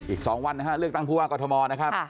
อีก๒วันนะฮะเลือกตั้งผู้ว่ากรทมนะครับ